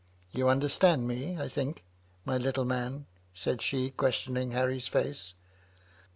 You understand me, I think, my little man ?" said she, questioning Harry's face.